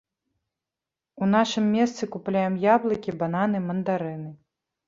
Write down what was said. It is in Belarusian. У нашым месцы купляем яблыкі, бананы, мандарыны.